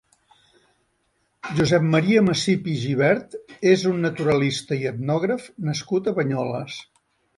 Josep Maria Massip i Gibert és un naturalista i etnògraf nascut a Banyoles.